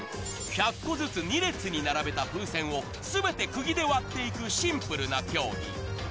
１００個ずつ２列に並べた風船をすべてくぎで割っていくシンプルな競技。